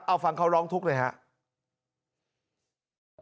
เอาฟังเขาร้องทุกข์หน่อยครับ